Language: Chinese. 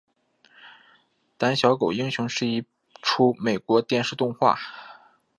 胆小狗英雄是一出美国电视动画。